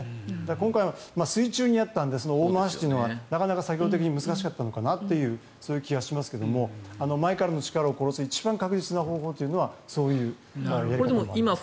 今回は水中にあったので大回しというのは作業的に難しかったのかなというそういう気がしますけど前からの力を殺す一番確実な方法というのはそういうやり方もあります。